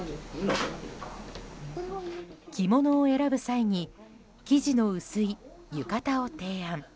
着物を選ぶ際に生地の薄い浴衣を提案。